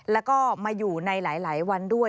แล้วก็มาอยู่ในหลายวันด้วย